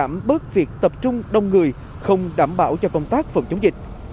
giảm bớt việc tập trung đông người không đảm bảo cho công tác phòng chống dịch